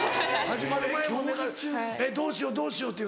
「どうしようどうしよう」って。